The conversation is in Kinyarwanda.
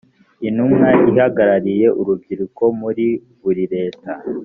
intumwa ihagarariye urubyiruko muri buri leta